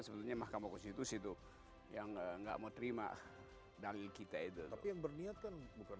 sebelumnya mahkamah konstitusi itu yang enggak mau terima dari kita itu tapi yang berniatkan bukan